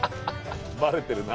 バレてるな。